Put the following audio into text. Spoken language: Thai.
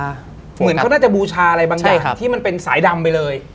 เหมือนเขาน่าจะบูชาอะไรบางอย่างที่มันเป็นสายดำไปเลย